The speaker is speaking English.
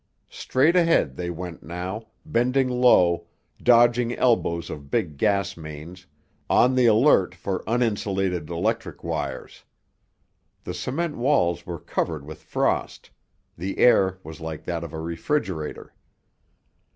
Straight ahead they went now, bending low, dodging elbows of big gas mains, on the alert for uninsulated electric wires. The cement walls were covered with frost, the air was like that of a refrigerator.